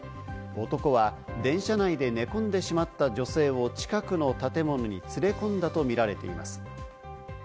男は電車内で寝込んでしまった女性を近くの建物に連れ込んだとみられています。